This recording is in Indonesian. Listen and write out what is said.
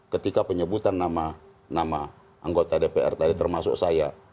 ketika penyebutan nama anggota dpr tadi termasuk saya